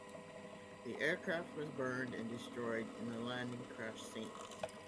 The aircraft was burned and destroyed in the landing crash scene.